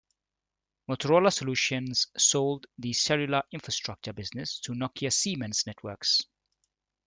Motorola Solutions sold the cellular infrastructure business to Nokia Siemens Networks.